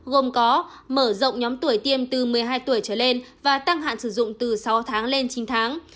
gồm có mở rộng nhóm tuổi tiêm từ một mươi hai tuổi trở lên và tăng hạn sử dụng từ sáu tháng lên chín tháng